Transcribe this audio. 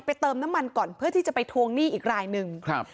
เติมน้ำมันก่อนเพื่อที่จะไปทวงหนี้อีกรายหนึ่งครับ